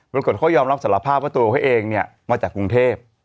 ปรากฏเขายอมรับสารภาพว่าตัวเขาเองเนี่ยมาจากกรุงเทพ